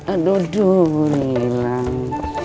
aduh dudur rilang